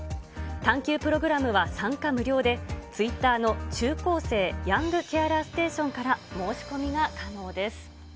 探求プログラムは参加無料で、ツイッターの中高生ヤングケアラーステーションから申し込みが可能です。